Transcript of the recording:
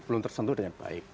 belum tersentuh dengan baik